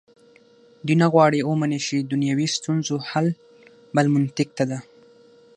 دوی نه غواړي ومني چې دنیوي ستونزو حل بل منطق ته ده.